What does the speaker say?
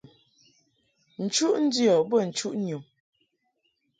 Nchuʼ ndiɔ bə nchuʼ nyum.